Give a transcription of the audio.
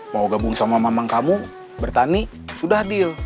mau gabung sama mamang kamu bertani sudah deal